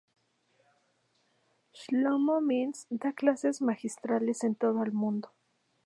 Shlomo Mintz da clases magistrales en todo el mundo.